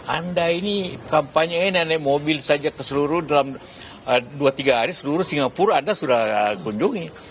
anda ini kampanye ini naik mobil saja ke seluruh dalam dua tiga hari seluruh singapura anda sudah kunjungi